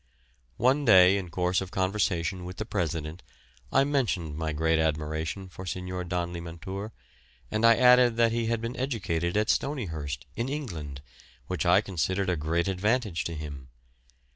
One day in course of conversation with the President, I mentioned my great admiration for Signor Don Limantour, and I added that he had been educated at Stonyhurst, in England, which I considered a great advantage to him.